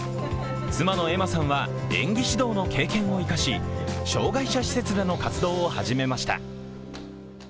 妻の絵麻さんは演技指導の経験を生かし障害者施設での活動を始めました。